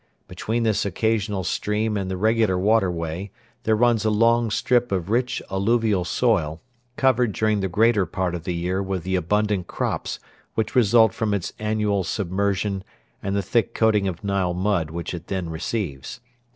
Between this occasional stream and the regular waterway there runs a long strip of rich alluvial soil, covered during the greater part of the year with the abundant crops which result from its annual submersion and the thick coating of Nile mud which it then receives.